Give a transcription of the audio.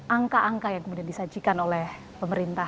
angka angka yang kemudian disajikan oleh pemerintah